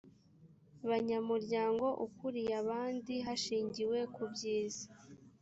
banyamuryango ukuriye abandi hashingiwe kubyiza